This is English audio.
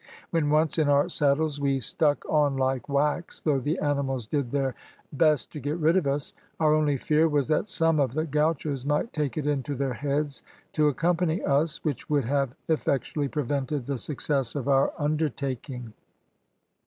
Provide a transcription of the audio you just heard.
When once in our saddles we stuck on like wax, though the animals did their best to get rid of us. Our only fear was that some of the gauchos might take it into their heads to accompany us, which would have effectually prevented the success of our undertaking.